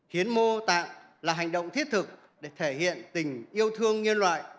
hiến mô tạng là hành động thiết thực để thể hiện tình yêu thương nhân loại